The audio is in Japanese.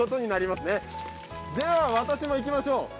では、私もいきましょう。